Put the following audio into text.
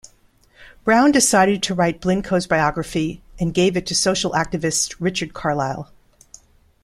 Brown decided to write Blincoe's biography and gave it to social activist Richard Carlisle.